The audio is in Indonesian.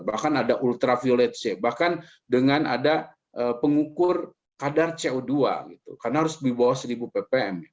bahkan ada ultraviolet c bahkan dengan ada pengukur kadar co dua karena harus di bawah seribu ppm